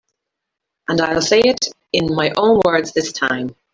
And I'll say it in my own words this time.